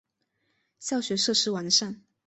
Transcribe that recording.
教学设施完善。